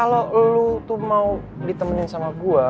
kalau lo tuh mau ditemenin sama gue